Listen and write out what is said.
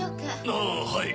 あぁはい。